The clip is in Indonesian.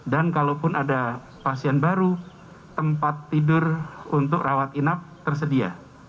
dan kalaupun ada pasien baru tempat tidur untuk rawat inap tersedia